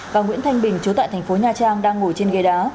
và nguyễn thanh bình chú tại thành phố nha trang đang ngồi trên ghê đá